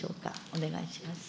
お願いします。